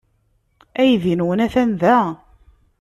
Aydi-nwen atan da.